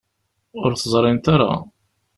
Ur t-ẓrint ara.